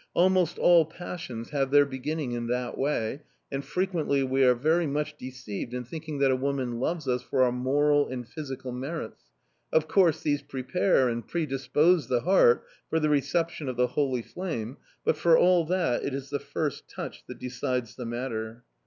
Almost all passions have their beginning in that way, and frequently we are very much deceived in thinking that a woman loves us for our moral and physical merits; of course, these prepare and predispose the heart for the reception of the holy flame, but for all that it is the first touch that decides the matter.